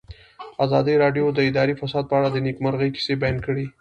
ازادي راډیو د اداري فساد په اړه د نېکمرغۍ کیسې بیان کړې.